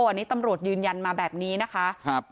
อันนี้ตำรวจยืนยันมาแบบนี้นะคะ